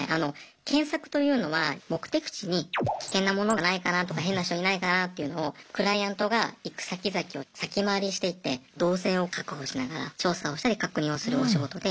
検索というのは目的地に危険な物がないかなとか変な人いないかなっていうのをクライアントが行く先々を先回りしていって動線を確保しながら調査をしたり確認をするお仕事で。